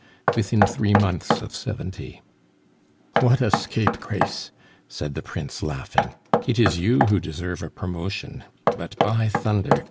"Within three months of seventy." "What a scapegrace!" said the Prince, laughing. "It is you who deserve a promotion, but, by thunder!